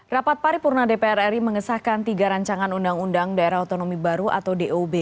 rapat paripurna dpr ri mengesahkan tiga rancangan undang undang daerah otonomi baru atau dob